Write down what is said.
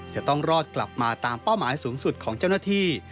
จะต้องรอดกลับมาตามเป้าหมายสูงสุดของเจ้าหน้าที่